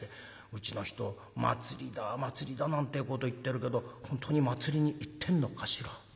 「うちの人祭りだ祭りだなんてこと言ってるけど本当に祭りに行ってんのかしら？